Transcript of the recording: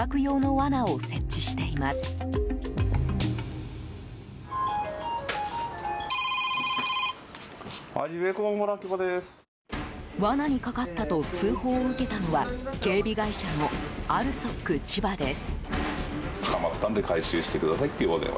わなにかかったと通報を受けたのは警備会社のＡＬＳＯＫ千葉です。